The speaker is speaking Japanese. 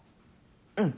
うん。